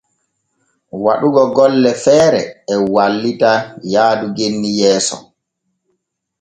Waɗugo golle feere e wallita yaadu genni yeeso.